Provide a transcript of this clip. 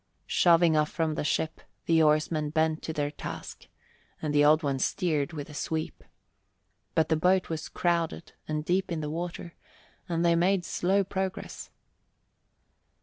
Shoving off from the ship, the oarsmen bent to their task and the Old One steered with a sweep; but the boat was crowded and deep in the water, and they made slow progress.